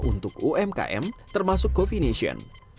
untuk umkm termasuk coffeenation